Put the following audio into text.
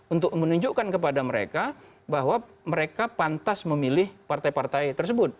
untuk menunjukkan kepada mereka bahwa mereka pantas memilih partai partai tersebut